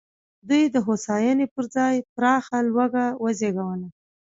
دوی د هوساینې پر ځای پراخه لوږه وزېږوله.